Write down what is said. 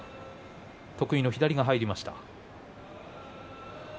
得意の左が入りました。